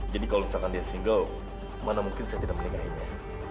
jadi kalau misalkan dia single mana mungkin saya tidak menikahinya